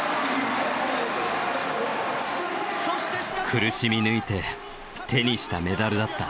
苦しみ抜いて手にしたメダルだった。